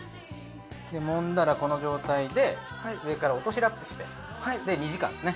揉んだらこの状態で上から落としラップして２時間ですね。